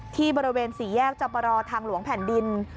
ที่บริเวณสี่แยกจบรอทางหลวงแผ่นดิน